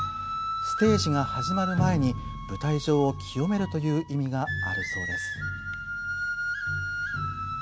ステージが始まる前に舞台上を清めるという意味があるそうです。